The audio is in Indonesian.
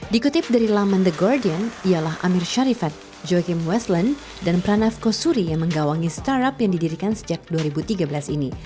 dikutip dari laman the guardian ialah amir sharifat johim westland dan pranav kosuri yang menggawangi startup yang didirikan sejak dua ribu tiga belas ini